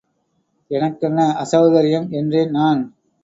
எனக்கென்ன அசெளகரியம்? என்றேன்.நான்.